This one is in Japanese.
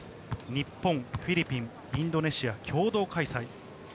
日本、フィリピン、インドネシア共同開催。